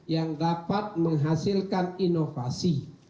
yang dapat menghasilkan inovasi